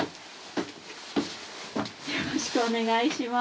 よろしくお願いします。